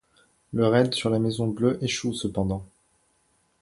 Le raid sur la Maison Bleue échoue cependant.